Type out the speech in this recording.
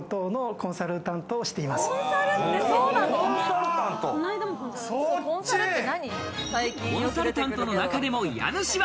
コンサルタントの中でも家主は。